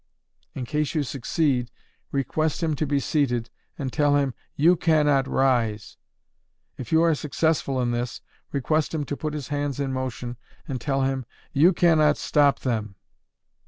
In case you succeed, request him to be seated, and tell him, you can not rise! If you are successful in this, request him to put his hands in motion, and tell him, _you can not stop them!